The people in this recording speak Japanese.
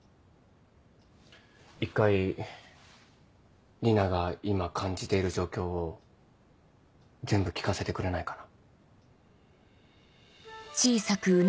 一回里奈が今感じている状況を全部聞かせてくれないかな？